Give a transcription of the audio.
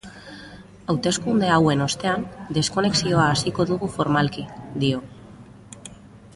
Hauteskunde hauen ostean deskonexioa hasiko dugu formalki, dio.